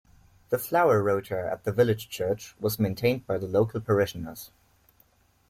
The flower rota at the village church was maintained by the local parishioners